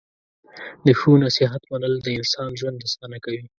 د ښو نصیحت منل د انسان ژوند اسانه کوي.